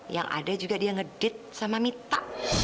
yang ada juga dia ngedit sama mita